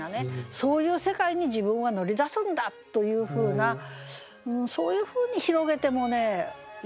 そういう世界に自分は乗り出すんだ！というふうなそういうふうに広げてもねいいんじゃないでしょうかね。